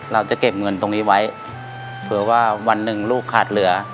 เราจะเก็บเงินตรงนี้ไว้เผื่อว่าวันหนึ่งลูกขาดเหลือ